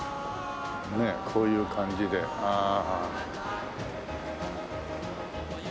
ねえこういう感じでああ。